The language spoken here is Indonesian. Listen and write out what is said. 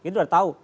itu udah tahu